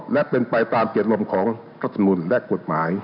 และเป็นไปตามเกตลมของพระธรรมุนและกฎหมาย